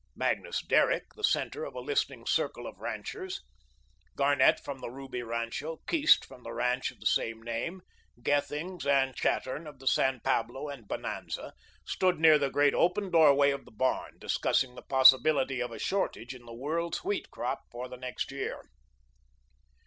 Magnus Derrick, the centre of a listening circle of ranchers Garnett from the Ruby rancho, Keast from the ranch of the same name, Gethings and Chattern of the San Pablo and Bonanza stood near the great open doorway of the barn, discussing the possibility of a shortage in the world's wheat crop for the next year.